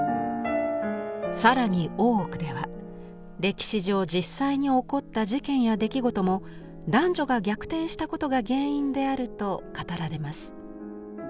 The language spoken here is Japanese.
更に「大奥」では歴史上実際に起こった事件や出来事も男女が逆転したことが原因であると語られます。